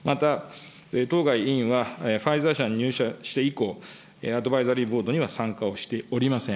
また、当該委員はファイザー社に入社して以降、アドバイザリーボードには参加をしておりません。